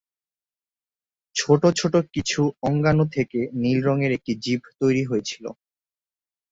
ছোট ছোট কিছু অঙ্গাণু থেকে নীল রঙের একটি জীব তৈরি হয়েছিল।